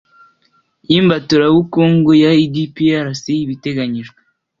Y imbaturabukungu ya edprs ibiteganyijwe